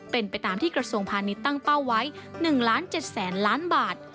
เป็นไปตามที่กระทรวงพาณิชย์ตั้งเป้าไว้๑ล้าน๗แสนล้านบาท